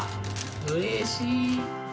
うれしい！